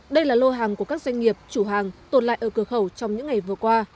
đây là lô hàng của các doanh nghiệp chủ hàng tồn lại ở cửa khẩu trong những ngày vừa qua